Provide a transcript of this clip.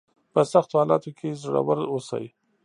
په سختو حالاتو کې زړور اوسئ.